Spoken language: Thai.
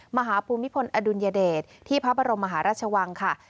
ภูมิพลอดุลยเดชที่พระบรมมหาราชวังค่ะ